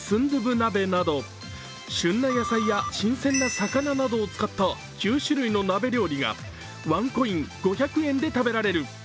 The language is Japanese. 鍋など旬な野菜や新鮮な魚などを使った９種類の鍋料理がワンコイン５００円で食べられる。